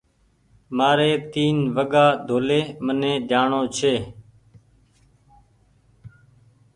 مآري تين وگآ ڊولي مني جآڻو ڇي